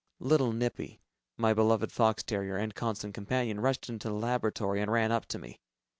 Little "Nippy," my beloved fox terrier, and constant companion, rushed into the laboratory and ran up to me.